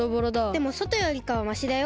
でもそとよりかはましだよ。